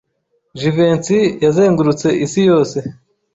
Jivency yazengurutse isi yose.